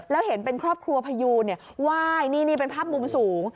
แล้วเห็นเป็นครอบครัวพยูนไหว้นี่เป็นภาพมุมสูง